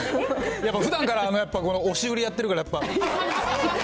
やっぱふだんから押し売りやってるから、やっぱ。